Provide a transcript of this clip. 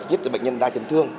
giúp cho bệnh nhân đa trấn thương